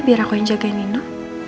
biar aku yang jagain minum